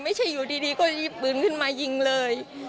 ไม่ใช่อยู่ดีก็หยิบปืนขึ้นมายิงเลย